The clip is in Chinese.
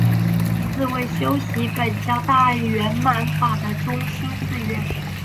该寺为修习苯教大圆满法的中心寺院。